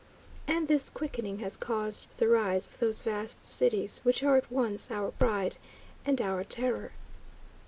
And this quickening has caused the rise of those vast cities, which are at once our pride and our terror.